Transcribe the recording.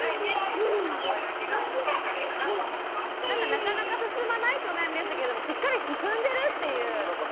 なかなか進まないってお悩みでしたけれどもしっかり進んでるっていうところでしたよ。